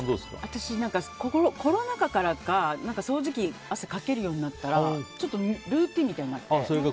私はコロナ禍からか掃除機を朝かけるようになったらちょっとルーチンみたいになって。